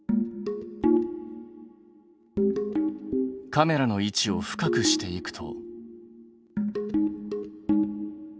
カメラの位置を深くしていくと。